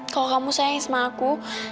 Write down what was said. kalau kamu sayang isma aku